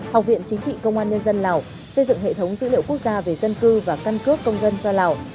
học viện chính trị công an nhân dân lào xây dựng hệ thống dữ liệu quốc gia về dân cư và căn cước công dân cho lào